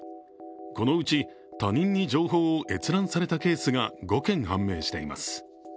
このうち他人に情報を閲覧されたケースが５件判明しています。